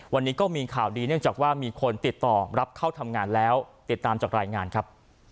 วันนี้ก็มีข่าวดีเนื่องจากว่ามีคนติดต่อรับเข้าทำงานแล้วติดตามจากรายงานครับ